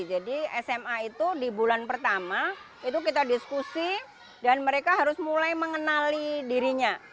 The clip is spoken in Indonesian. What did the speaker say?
jadi sma itu di bulan pertama itu kita diskusi dan mereka harus mulai mengenali dirinya